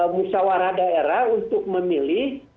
musyawarah daerah untuk memilih